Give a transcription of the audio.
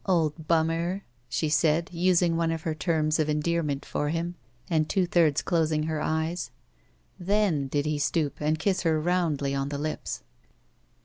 "Old bummer!" she said, tising one of her terms of endearment for him and two thirds closing her eyes. Then did he stoop and kiss her roundly on the lips.